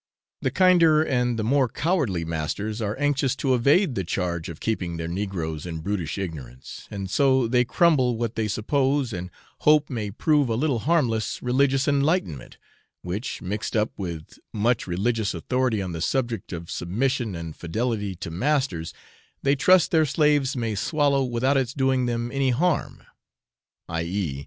The kinder and the more cowardly masters are anxious to evade the charge of keeping their negroes in brutish ignorance, and so they crumble what they suppose and hope may prove a little harmless, religious enlightenment, which, mixed up with much religious authority on the subject of submission and fidelity to masters, they trust their slaves may swallow without its doing them any harm i.e.